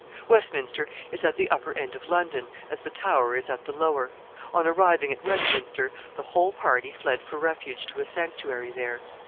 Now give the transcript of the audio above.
Westminster is at the upper end of London, as the Tower is at the lower. On arriving at Westminster, the whole party fled for refuge to a sanctuary there.